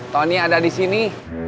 tony ada di sini